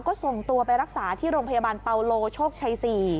ก็ส่งตัวไปรักษาที่โรงพยาบาลเปาโลโชคชัย๔